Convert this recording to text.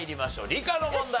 理科の問題。